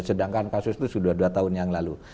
sedangkan kasus itu sudah dua tahun yang lalu